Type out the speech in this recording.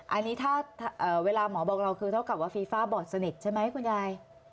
อันนี้ถ้าเวลาหมอบอกเราคือเท่ากับว่าฟีฟ้าบอดสนิทใช่ไหมคุณยาย